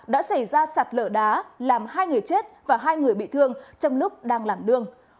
đã xảy ra sạt lở đá làm hai người chết và hai người bị thương trong lúc đang làm nương